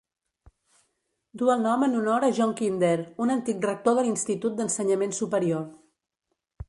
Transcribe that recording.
Du el nom en honor a John Kinder, un antic rector de l'institut d'ensenyament superior.